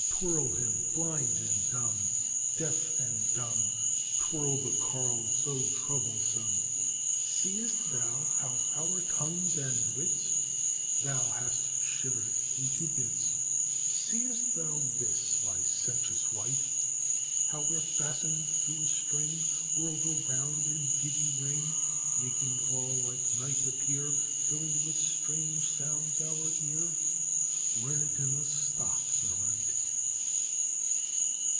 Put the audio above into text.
twirl him! blind and dumb Deaf and dumb, Twirl the carle so troublesome! Seest thou how our tongues and wits Thou hast shivered into bits Seest thou this, licentious wight? How we're fastened to a string, Whirled around in giddy ring, Making all like night appear, Filling with strange sounds our ear? Learn it in the stocks aright!